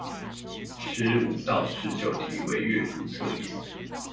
十五到十九題為閱讀測驗